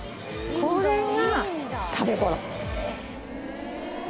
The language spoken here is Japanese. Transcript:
これが食べごろ。